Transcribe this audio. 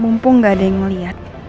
mumpung gak ada yang melihat